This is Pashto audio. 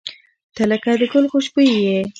• ته لکه د ګل خوشبويي یې.